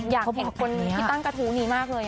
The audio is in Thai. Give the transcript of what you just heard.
อยากเห็นคนที่ตั้งกระทู้นี้มากเลย